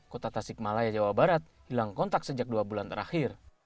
kota tasik malaya jawa barat hilang kontak sejak dua bulan terakhir